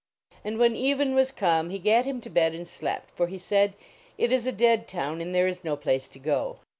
And when even was come he gat him to bed and slept. For he said: "It is a dead town and there is no place to go."